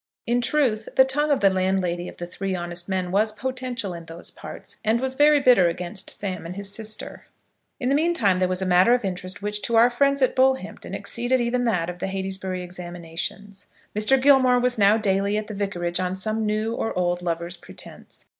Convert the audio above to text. In truth, the tongue of the landlady of the Three Honest Men was potential in those parts, and was very bitter against Sam and his sister. In the meantime there was a matter of interest which, to our friends at Bullhampton, exceeded even that of the Heytesbury examinations. Mr. Gilmore was now daily at the vicarage on some new or old lover's pretence.